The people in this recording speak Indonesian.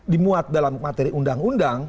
dimuat dalam materi undang undang